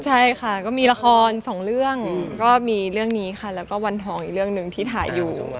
ใช่ค่ะก็มีละครสองเรื่องก็มีเรื่องนี้ค่ะแล้วก็วันทองอีกเรื่องหนึ่งที่ถ่ายอยู่